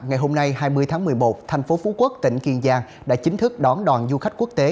ngày hôm nay hai mươi tháng một mươi một thành phố phú quốc tỉnh kiên giang đã chính thức đón đoàn du khách quốc tế